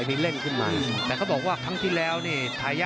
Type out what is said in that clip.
พี่น้องอ่ะพี่น้องอ่ะพี่น้องอ่ะพี่น้องอ่ะ